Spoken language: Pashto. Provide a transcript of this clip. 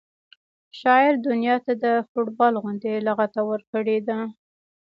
شاعر دنیا ته د فټبال غوندې لغته ورکړې ده